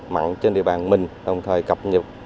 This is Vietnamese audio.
mặn trên địa bàn mình đồng thời cập nhật